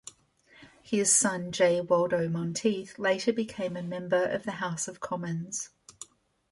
His son Jay Waldo Monteith later became a member of the House of Commons.